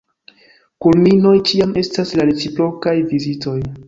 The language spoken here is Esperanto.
Kulminoj ĉiam estas la reciprokaj vizitoj.